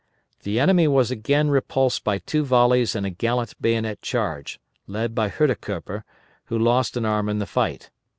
The enemy were again repulsed by two volleys and a gallant bayonet charge, led by Huidekoper, who lost an arm in the fight.